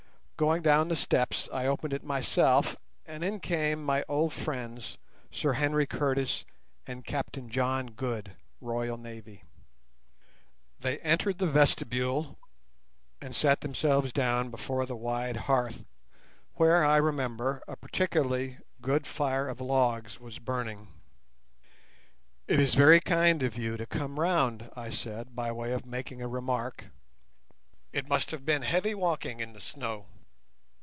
Going down the steps I opened it myself, and in came my old friends Sir Henry Curtis and Captain John Good, RN. They entered the vestibule and sat themselves down before the wide hearth, where, I remember, a particularly good fire of logs was burning. "It is very kind of you to come round," I said by way of making a remark; "it must have been heavy walking in the snow."